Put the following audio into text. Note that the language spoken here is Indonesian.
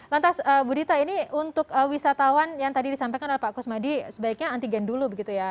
lantas bu dita ini untuk wisatawan yang tadi disampaikan oleh pak kusmadi sebaiknya antigen dulu begitu ya